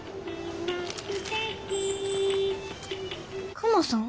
クマさん？